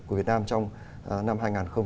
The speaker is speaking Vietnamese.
của việt nam trong năm hai nghìn một mươi tám